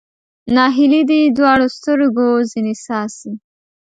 ناهیلي دې دواړو سترګو ځنې څاڅي